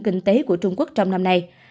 kinh tế của trung quốc trong năm nay